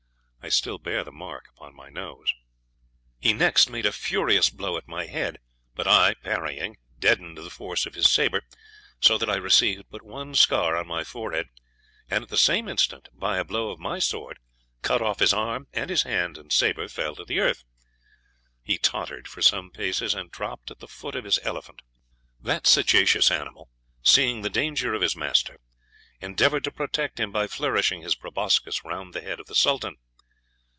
I still bear the mark upon my nose. He next made a furious blow at my head, but I, parrying, deadened the force of his sabre, so that I received but one scar on my forehead, and at the same instant, by a blow of my sword, cut off his arm, and his hand and sabre fell to the earth; he tottered for some paces, and dropped at the foot of his elephant. That sagacious animal, seeing the danger of his master, endeavoured to protect him by flourishing his proboscis round the head of the Sultan.